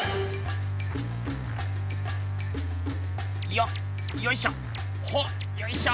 よっよいしょ！